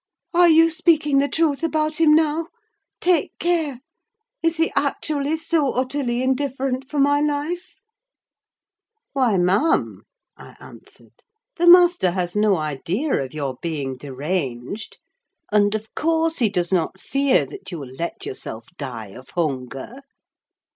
Are you speaking the truth about him now? Take care. Is he actually so utterly indifferent for my life?" "Why, ma'am," I answered, "the master has no idea of your being deranged; and of course he does not fear that you will let yourself die of hunger."